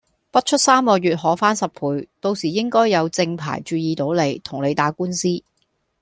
不出三個月可翻十倍，到時應該有正牌注意到你，同你打官司